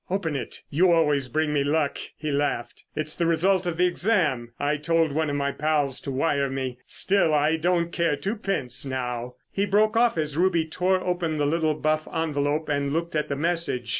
"Open it, you always bring me luck," he laughed. "It's the result of the exam. I told one of my pals to wire me. Still, I don't care twopence now——" He broke off as Ruby tore open the little buff envelope and looked at the message.